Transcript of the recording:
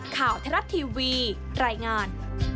ข่าวธรัตน์ทีวีรายงาน